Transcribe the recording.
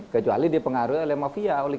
kecuali dipengaruhi oleh mafia